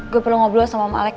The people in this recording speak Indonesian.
gue perlu ngobrol sama malec